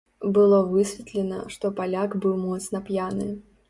Было высветлена, што паляк быў моцна п'яны.